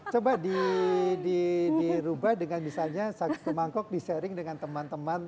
coba dirubah dengan misalnya satu mangkok disaring dengan teman teman